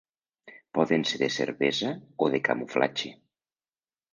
Poden ser de cervesa o de camuflatge.